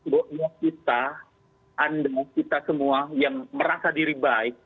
doa kita anda kita semua yang merasa diri baik